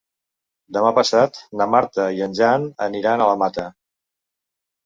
Demà passat na Marta i en Jan aniran a la Mata.